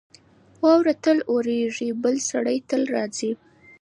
واوره تل اورېږي. بل سړی تل راځي.